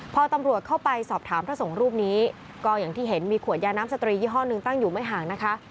พอตำรวจเข้าไปสอบถามพระสงฆ์รูปนี้ก็อย่างที่เห็นมีขวดยาน้ำสตรียี่ห้อหนึ่งตั้งอยู่ไม่ห่างนะคะ